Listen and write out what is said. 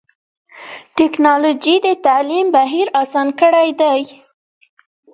ټکنالوجي د تعلیم بهیر اسان کړی دی.